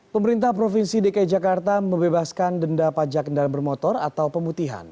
pemerintah provinsi dki jakarta membebaskan denda pajak kendaraan bermotor atau pemutihan